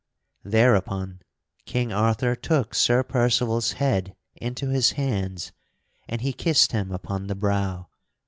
Thereupon King Arthur took Sir Percival's head into his hands, and he kissed him upon the brow.